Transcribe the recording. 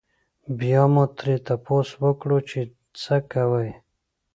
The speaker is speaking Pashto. بيا مو ترې تپوس وکړو چې څۀ کوئ؟